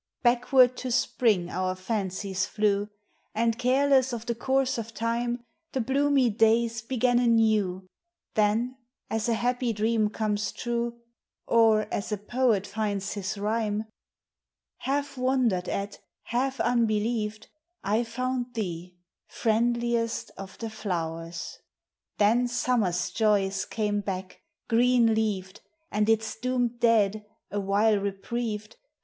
Backward to spring our fancies flew, And, careless of the course of time, The bloomy days began anew. Then, as a happy dream comes true, Or, as a poet finds his rhyme — Half wondered at, half unbelieved — I found thee, friendliest of the flowers. TREES: FLOWERS: PLANTS. 255 Then Summer's joys came back, green leaved, And its doomed dead, awhile reprieved.